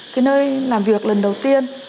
cái nơi làm việc lần đầu tiên